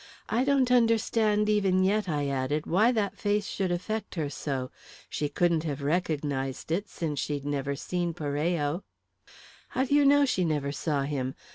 I don't understand even yet," I added, "why that face should affect her so. She couldn't have recognised it, since she'd never seen Parello." "How do you know she never saw him?